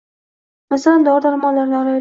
Masalan, dori-darmonlarni olaylik.